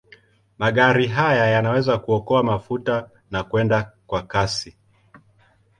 Magari haya yanaweza kuokoa mafuta na kwenda kwa kasi.